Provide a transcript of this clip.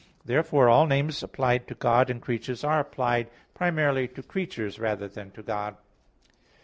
Therefore all names applied to God and creatures are applied primarily to creatures rather than to God.